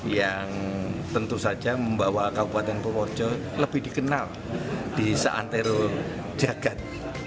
yang tentu saja membawa kabupaten purworejo lebih dikenal di seantero jagat